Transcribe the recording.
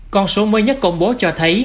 còn số mới nhất công bố cho thấy